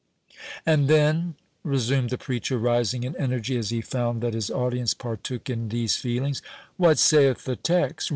"And then," resumed the preacher, rising in energy as he found that his audience partook in these feelings, "what saith the text?